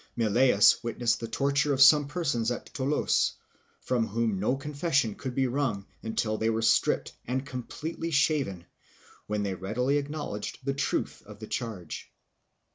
Millaeus witnessed the torture of some persons at Toulouse, from whom no confession could be wrung until they were stripped and completely shaven, when they readily acknowledged the truth of the charge.